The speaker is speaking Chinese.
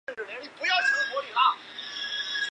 阿戈讷地区东巴勒人口变化图示